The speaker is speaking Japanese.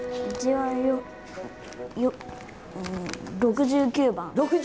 ６９番！